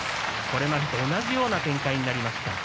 これまでと同じような展開になりました。